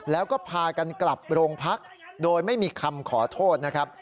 แล้วก็พากันกลับโรงพักโดยไม่มีคำขอโทษนะครับ